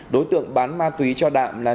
đối tượng bán ma túy cho đạm là